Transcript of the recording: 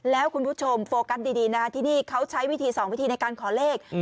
แล้วคุณผู้ชมโฟกัสดีนะที่นี่เขาใช้วิธี๒วิธีในการขอเลข